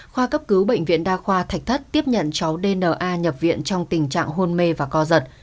khoa cấp cứu bệnh viện đa khoa thạch thất tiếp nhận cháu dna nhập viện trong tình trạng hôn mê và co giật